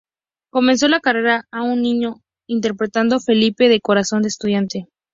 Comenzó la carrera aún niño, interpretando "Felipe" de Corazón de Estudiante.